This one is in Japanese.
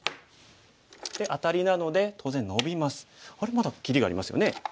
まだ切りがありますよね。